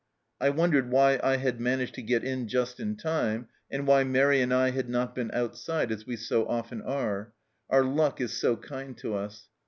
I wondered why I had managed to get in just in time, and why Mairi and I had not been outside, as we so often are our luck is so kind to us.